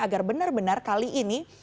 agar benar benar kali ini